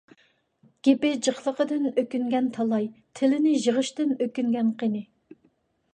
گېپى جىقلىقىدىن ئۆكۈنگەن تالاي، تىلىنى يىغىشتىن ئۆكۈنگەن قېنى؟